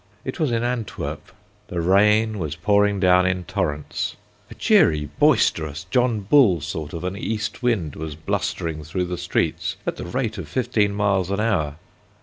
It was in Antwerp. The rain was pouring down in torrents; a cheery, boisterous John Bull sort of an east wind was blustering through the streets at the rate of fifteen miles an hour.